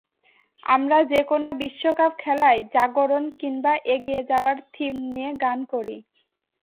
আমরা যেকোনো বিশ্বকাপ খেলায় জাগরণ কিংবা এগিয়ে যাওয়ার থিম নিয়ে গান করি।